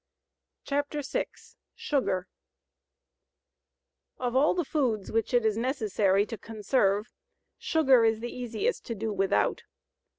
CHAPTER VI SUGAR OF ALL THE FOODS WHICH IT IS NECESSARY TO CONSERVE, SUGAR IS THE EASIEST TO DO WITHOUT.